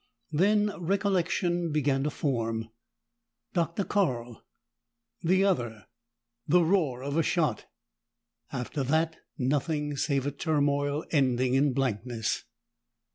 Then recollection began to form Dr. Carl, the other, the roar of a shot. After that, nothing save a turmoil ending in blankness.